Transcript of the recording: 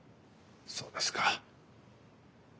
そうですか。